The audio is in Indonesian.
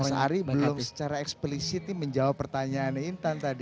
mas ari belum secara eksplisit menjawab pertanyaan intan tadi